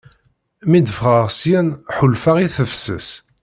mi d-ffɣeɣ syen ḥulfaɣ i tefses.